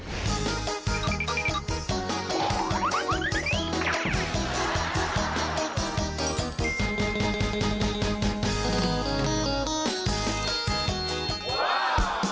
ส่วนที่สุดวิวที่ก็เอาเผตร